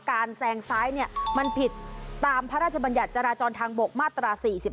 แซงซ้ายมันผิดตามพระราชบัญญัติจราจรทางบกมาตรา๔๔